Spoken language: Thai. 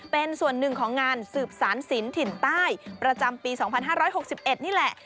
เป็นส่วนหนึ่งของงานสืบสารศิลป์ถิ่นใต้ประจำปี๒๕๖๑นี่แหละ